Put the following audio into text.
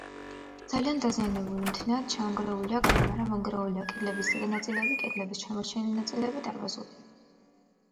ძალიან დაზიანებული: მთლიანად ჩამონგრეულია კამარა, მონგრეულია კედლების ზედა ნაწილები, კედლების შემორჩენილი ნაწილები დარბაზულია.